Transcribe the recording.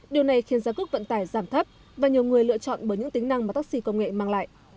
điều này khiến giá cước vận tải giảm thấp và nhiều người lựa chọn bởi những tính năng mà taxi công nghệ mang lại